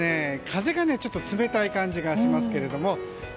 風がちょっと冷たい感じがしますけども。